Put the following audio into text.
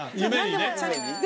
でもチャレンジ。